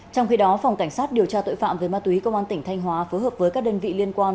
trong khi đó phòng cảnh sát điều tra tội phạm về ma túy công an tỉnh thanh hóa phối hợp với các đơn vị liên quan